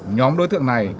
nhóm đối tượng này